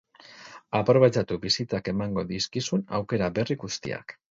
Aprobetxatu bizitzak emango dizkizun aukera berri guztiak.